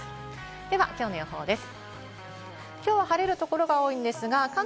ではきょうの予報です。